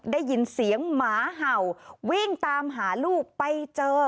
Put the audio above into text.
ได้ยินเสียงหมาเห่าวิ่งตามหาลูกไปเจอ